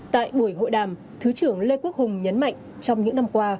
tại buổi hội đàm thứ trưởng lê quốc hùng nhấn mạnh trong những năm qua